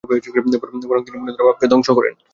বরং তিনি পূণ্য দ্বারা পাপকে ধ্বংস করেন।